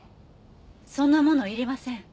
そんなものいりません。